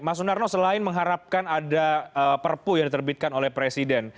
mas sunarno selain mengharapkan ada perpu yang diterbitkan oleh presiden